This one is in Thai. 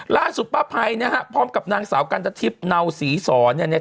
ล้านสุปป้าไพรนะฮะพร้อมกับนางสาวกันตะทิบเนาสีสรเนี่ยเนี่ย